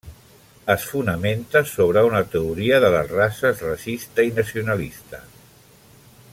Es fonamenta sobre una teoria de les races racista i nacionalista.